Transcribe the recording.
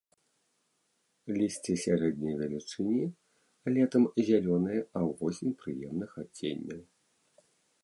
Лісце сярэдняй велічыні, летам зялёнае, а ўвосень прыемных адценняў.